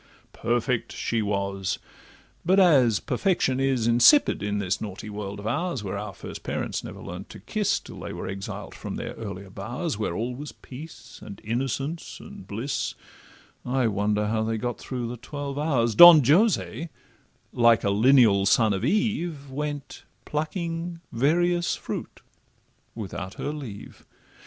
Perfect she was, but as perfection is Insipid in this naughty world of ours, Where our first parents never learn'd to kiss Till they were exiled from their earlier bowers, Where all was peace, and innocence, and bliss (I wonder how they got through the twelve hours), Don Jose, like a lineal son of Eve, Went plucking various fruit without her leave.